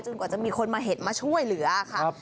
จนจะมีคนมาเห็นมาช่วยเหลือครับ